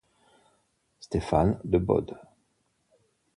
Stefan de Bod